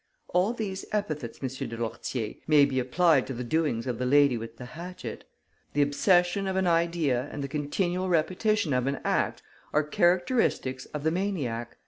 All these epithets, M. de Lourtier, may be applied to the doings of the lady with the hatchet. The obsession of an idea and the continual repetition of an act are characteristics of the maniac.